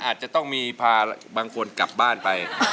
อาจจะต้องมีพาบางคนกลับบ้านไป